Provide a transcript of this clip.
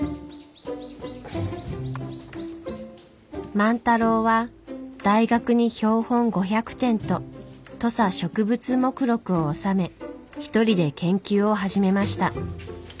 万太郎は大学に標本５００点と土佐植物目録を納め一人で研究を始めました。